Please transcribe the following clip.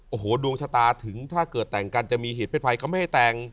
โอ้โหดวงชะตาถึงถ้าเกิดแต่งกันจะมีเหตุเพศภัยเขาไม่ให้แต่ง